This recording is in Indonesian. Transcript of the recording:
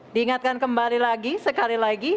diingatkan kembali lagi sekali lagi